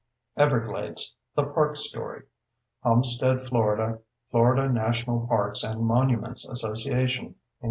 Everglades: The Park Story. Homestead, Florida: Florida National Parks and Monuments Association, Inc.